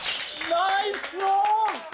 ナイスオン！